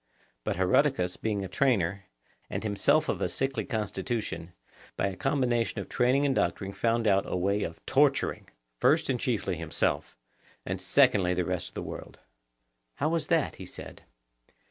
But Herodicus, being a trainer, and himself of a sickly constitution, by a combination of training and doctoring found out a way of torturing first and chiefly himself, and secondly the rest of the world. How was that? he said.